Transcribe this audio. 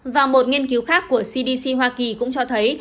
và một nghiên cứu khác của cdc hoa kỳ cũng cho thấy